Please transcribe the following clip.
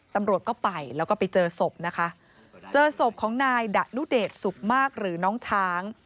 ตำรวจก็ไปแล้วก็ไปเจอศพนะคะเจอศพของนายดะนุเดชสุขมากหรือน้องช้าง